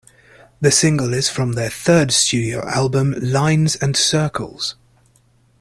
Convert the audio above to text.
The single is from their third studio album "Lines and Circles".